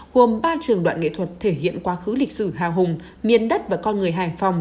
gồm ba trường đoạn nghệ thuật thể hiện quá khứ lịch sử hào hùng miền đất và con người hải phòng